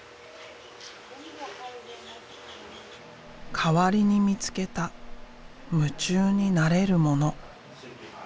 代わりに見つけた夢中になれるもの。